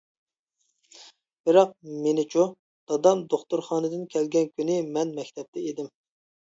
بىراق مېنىچۇ؟ دادام دوختۇرخانىدىن كەلگەن كۈنى، مەن مەكتەپتە ئىدىم.